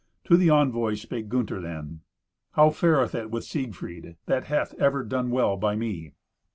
To the envoys spake Gunther then, "How fareth it with Siegfried, that hath ever done well by me?"